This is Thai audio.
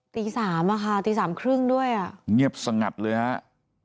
ตีสามอะค่ะตีสามครึ่งด้วยอ่ะเงียบสงัดเลยฮะ